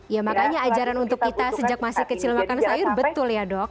ya makanya ajaran untuk kita sejak masih kecil makan sayur betul ya dok